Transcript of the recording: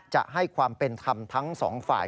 จะให้ความเป็นธรรมทั้งสองฝ่าย